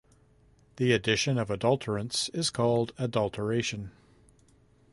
The addition of adulterants is called adulteration.